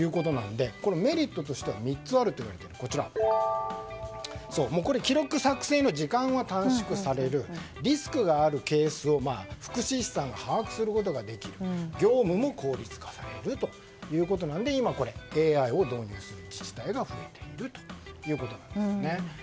メリットとしては３つあると言われていて記録作成の時間が短縮されるリスクのがあるケースを福祉司さんが把握できる業務も効率化されるということなので今、ＡＩを導入する自治体が増えているんです。